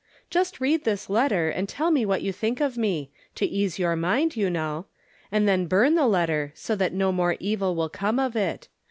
Just read this letter, nd tell me what you think of me — to ease your lind, you know ; and then burn the letter, so bat no more evil will come of it.